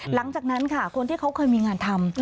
หลังจากนั้นค่ะคนที่เขาเคยมีงานทำ